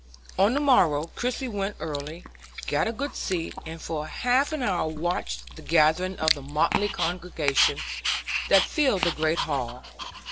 On the morrow Christie went early, got a good seat, and for half an hour watched the gathering of the motley congregation that filled the great hall.